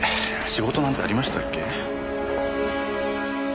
仕事なんてありましたっけ？